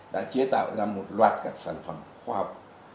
đã chế tạo ra một loạt các sản phẩm khoa học